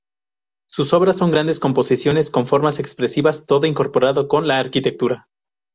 Sus obras son grandes composiciones con formas expresivas, todo incorporado con la arquitectura.